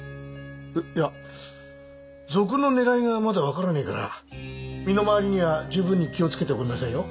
いや賊の狙いがまだ分からねえから身の回りには十分に気を付けておくんなさいよ。